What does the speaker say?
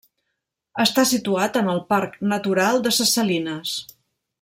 Està situat en el parc natural de ses Salines.